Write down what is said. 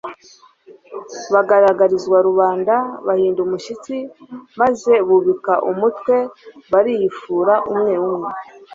bagaragarizwa rubanda bahinda umushyitsi; maze bubika umutwe bariyufura umwe umwe,